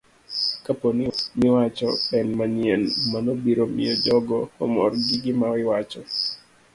Kapo ni wach miwacho en manyien, mano biro miyo jogo omor gi gima iwacho.